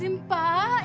nyebut pak istighfar